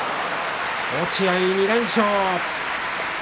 落合２連勝。